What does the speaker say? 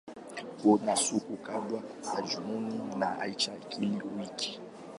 Kuna soko kubwa la Jumanne na Ijumaa kila wiki.